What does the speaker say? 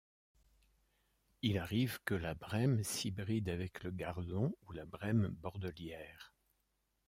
Il arrive que la brème s'hybride avec le gardon ou la brème bordelière.